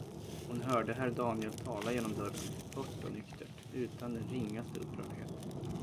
Hon hörde herr Daniel tala genom dörren, torrt och nyktert, utan den ringaste upprördhet.